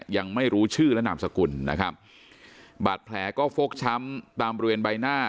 ยังไม่รู้ชื่อและนามสกุลนะครับบาดแผลก็ฟกช้ำตามบริเวณใบหน้า